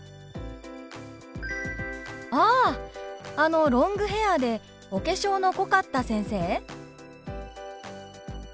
「ああのロングヘアーでお化粧の濃かった先生？」。